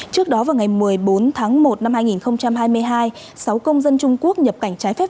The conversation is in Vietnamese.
trước đó vào ngày một mươi bốn tháng một năm hai nghìn hai mươi hai sáu công dân trung quốc nhập cảnh trái phép